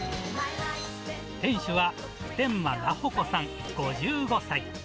店主は普天間菜穂子さん５５歳。